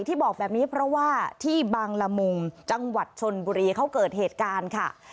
บอกแบบนี้เพราะว่าที่บางละมุงจังหวัดชนบุรีเขาเกิดเหตุการณ์ค่ะ